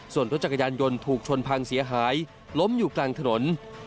ส่วนรถจักรยานยนต์ถูกชนพังเสียหายล้มอยู่กลางถนน